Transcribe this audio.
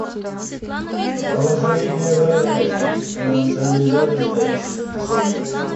За последнее время Россией сделан целый ряд исторических шагов.